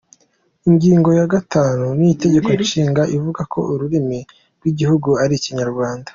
Ingingo ya gatanu n’Itegeko Nshinga ivuga ko ururimi rw’igihugu ari Ikinyarwanda.